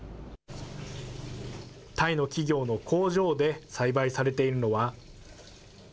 タイの企業の工場で栽培されているのは。